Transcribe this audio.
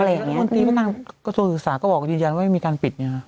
แล้วมันตีประตูสาหรัฐก็บอกกันจริงว่าไม่มีการปิดเนี่ย